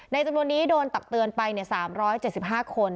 จำนวนนี้โดนตักเตือนไป๓๗๕คน